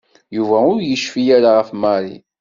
Yuba ur yecfi ara ɣef Mary.